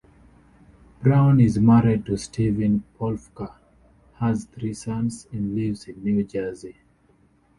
Brown is married to Steven Plofker, has three sons, and lives in New Jersey.